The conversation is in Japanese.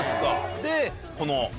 でこの。